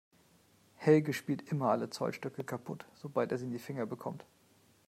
Helge spielt immer alle Zollstöcke kaputt, sobald er sie in die Finger bekommt.